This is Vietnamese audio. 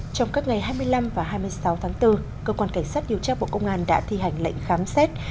trong các ngày hai mươi năm và hai mươi sáu tháng bốn cơ quan cảnh sát điều tra bộ công an đã thi hành lệnh khám xét